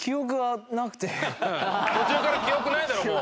途中から記憶ないだろもう。